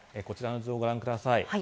こちらをご覧ください。